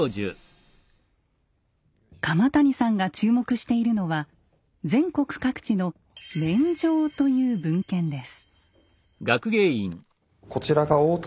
鎌谷さんが注目しているのは全国各地の「免定」という文献です。